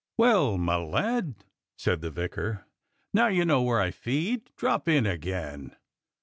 "Well, my lad," said the vicar, "now you know where I feed, drop in again.